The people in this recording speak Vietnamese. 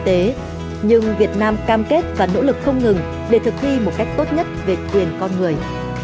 tế nhưng việt nam cam kết và nỗ lực không ngừng để thực thi một cách tốt nhất về quyền con người